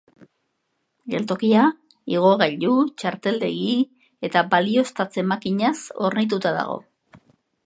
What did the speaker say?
Geltokia igogailu, txarteldegi eta balioztatze makinaz hornituta dago.